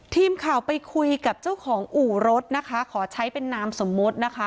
ทีมข่าวไปคุยกับเจ้าของอู่รถนะคะขอใช้เป็นนามสมมุตินะคะ